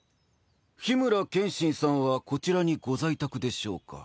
緋村剣心さんはこちらにご在宅でしょうか？